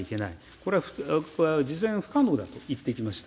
これは実現不可能だと言ってきました。